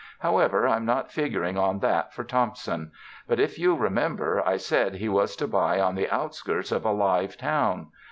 However, I'm not figuring on that for Thompson; but if you'll remember, I said he was to buy on the outskirts of a live town.